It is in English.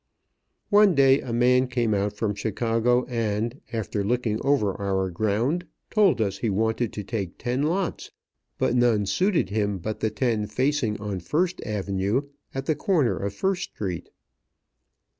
One day a man came out from Chicago, and, after looking over our ground, told us he wanted to take ten lots; but none suited him but the ten facing on First Avenue at the corner of First Street.